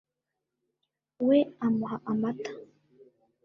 we amuha amata